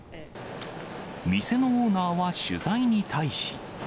店のオーナーは取材に対し。